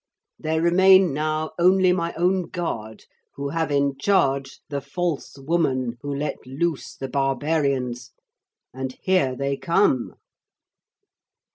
There remain now only my own guard who have in charge the false woman who let loose the barbarians. And here they come.'